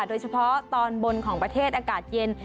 โดยเฉพาะตอนบนของประเทศอากาศเย็น